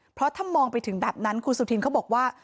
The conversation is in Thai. เพราะถ้ามองไปถึงแบบนั้นคุณสุธินเขาบอกว่า